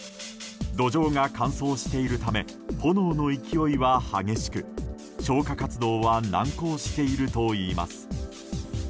土壌が乾燥しているため炎の勢いは激しく消火活動は難航しているといいます。